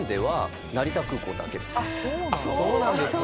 そうなんですね。